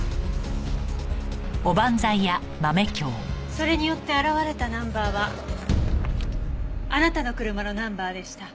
それによって現れたナンバーはあなたの車のナンバーでした。